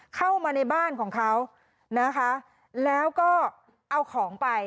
เข้ามาในบ้านของเขานะคะแล้วก็เอาของไป